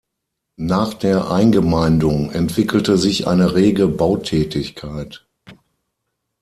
Nach der Eingemeindung entwickelte sich eine rege Bautätigkeit.